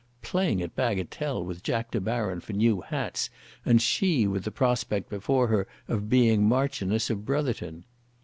Playing at bagatelle with Jack De Baron for new hats, and she with the prospect before her of being Marchioness of Brotherton!